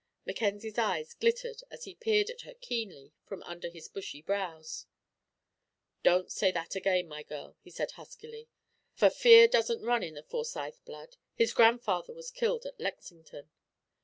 Mackenzie's eyes glittered as he peered at her keenly from under his bushy brows. "Don't say that again, my girl," he said, huskily, "for fear doesn't run in the Forsyth blood. His grandfather was killed at Lexington."